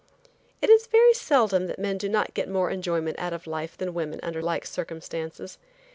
It is very seldom that men do not get more enjoyment out of life than women under like circumstances.